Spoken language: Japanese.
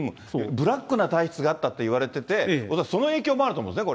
ブラックな体質があったっていわれてて、私、その影響もあると思うんですね。